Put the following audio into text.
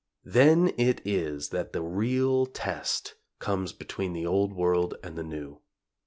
Then it is that the real test comes between the old world and the new.